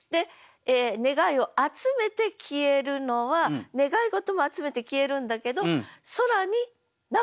「願いを集めて消える」のは「願い事」も集めて消えるんだけどうわ